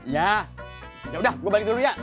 ya yaudah gue balik dulu ya